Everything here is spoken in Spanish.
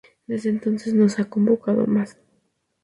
Desde entonces, no se ha convocado más.